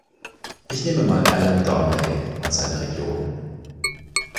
Ich nehme mal Alan Donnelly und seine Region.